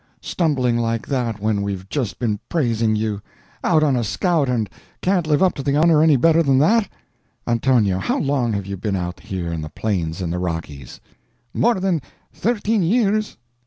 stumbling like that when we've just been praising you! out on a scout and can't live up to the honor any better than that? Antonio, how long have you been out here in the Plains and the Rockies?" "More than thirteen years."